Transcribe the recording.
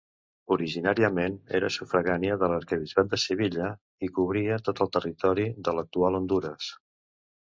Originàriament era sufragània de l'arquebisbat de Sevilla, i cobria tot el territori de l'actual Hondures.